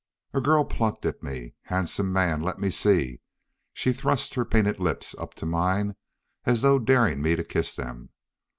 A girl plucked at me. "Handsome man, let me see." She thrust her painted lips up to mine as though daring me to kiss them.